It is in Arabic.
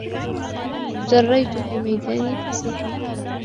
جَرَيْتُ فِي مَيْدَانٍ فَسِيحٍ.